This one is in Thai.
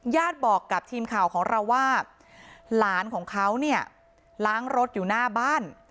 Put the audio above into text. บอกกับทีมข่าวของเราว่าหลานของเขาเนี่ยล้างรถอยู่หน้าบ้าน